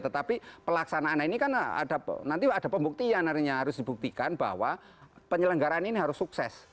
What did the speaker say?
tetapi pelaksanaan ini kan nanti ada pembuktian artinya harus dibuktikan bahwa penyelenggaran ini harus sukses